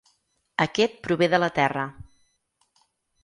Aquest prové de la terra.